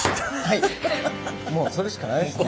もうそれしかないですね。